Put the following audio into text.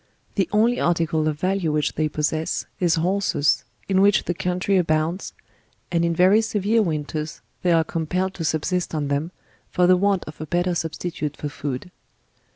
The only article of value which they possess is horses, in which the country abounds, and in very LEWIS AND CIARKE. 25 nerere winters they are compelled to subsist on thorn, for the want of a better substituto for food.